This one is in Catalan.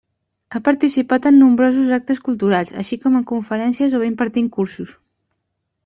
Ha participat en nombrosos actes culturals, així com en conferències o bé impartint cursos.